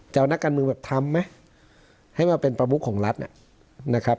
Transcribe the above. จะเอานักการเมืองแบบทำไหมให้มาเป็นประมุขของรัฐนะครับ